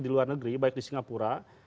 di luar negeri baik di singapura